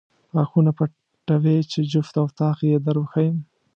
غاښونه پټوې چې جفت او طاق یې در وښایم.